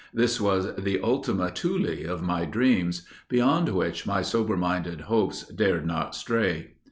This was the Ultima Thule of my dreams, beyond which my sober minded hopes dared not stray.